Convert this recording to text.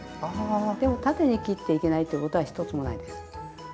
でも縦に切っていけないってことは一つもないです。